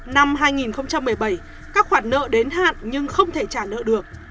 năm hai nghìn một mươi bảy các khoản nợ đến hạn nhưng không thể trả nợ được